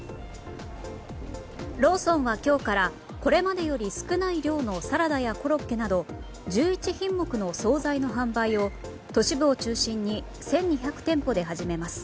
ローソンは今日からこれまでより少ない量のサラダやコロッケなど１１品目の総菜の販売を都市部を中心に１２００店舗で始めます。